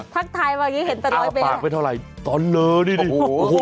พักทายบางทีเห็นแต่๑๐๐เบนอ้าปากไม่เท่าไหร่ตอนเนื้อดิดิโอ้โฮ